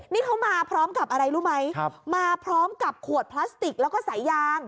นี่เขามาพร้อมกับอะไรรู้ไหมมาพร้อมกับขวดพลาสติกแล้วก็สายยาง